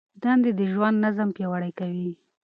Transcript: دندې د ژوند نظم پیاوړی کوي.